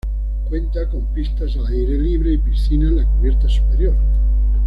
Cuenta con pistas al aire libre y piscina en la cubierta superior.